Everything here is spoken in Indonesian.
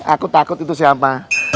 aku takut itu siapa